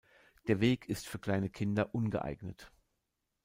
Der Weg ist für kleine Kinder ungeeignet.